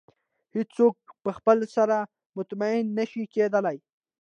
هېڅ څوک په خپل سر مطمئنه نه شي کېدلی.